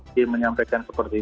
di menyampaikan seperti itu